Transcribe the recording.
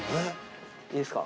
いいですか？